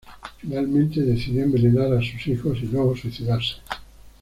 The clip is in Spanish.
Finalmente decidió envenenar a sus hijos y luego suicidarse.